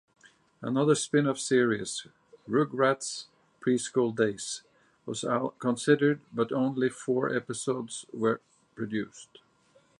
Another spin-off series, "Rugrats Pre-School Daze", was considered, but only four episodes were produced.